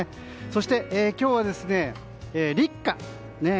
そして今日は立夏。